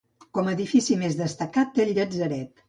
Com a edifici més destacat té el Llatzeret.